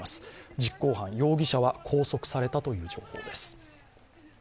実行犯、容疑者は拘束されたという情報です。